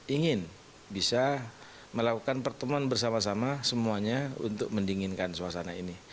ingin bisa melakukan pertemuan bersama sama semuanya untuk mendinginkan suasana ini